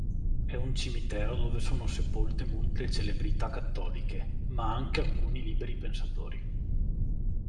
È un cimitero dove sono sepolte molte celebrità cattoliche, ma anche alcuni liberi pensatori.